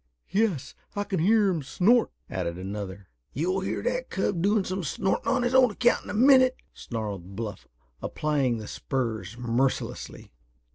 "Yes, I kin hear him snort," added another. "You'll hear that cub doing some snorting on his own account in a minute," snarled Bluff, applying the spurs mercilessly.